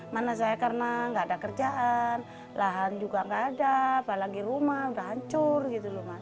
mana saya karena nggak ada kerjaan lahan juga nggak ada apalagi rumah udah hancur gitu loh mas